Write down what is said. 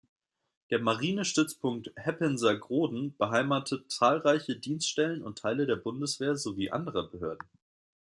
Der Marinestützpunkt Heppenser Groden beheimatet zahlreiche Dienststellen und Teile der Bundeswehr sowie anderer Behörden.